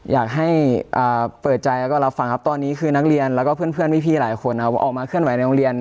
อยากให้เปิดใจแล้วก็รับฟังครับตอนนี้คือนักเรียนแล้วก็เพื่อนพี่หลายคนนะครับออกมาเคลื่อนไหวในโรงเรียน